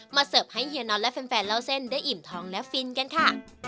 เสิร์ฟให้เฮียน็อตและแฟนเล่าเส้นได้อิ่มท้องและฟินกันค่ะ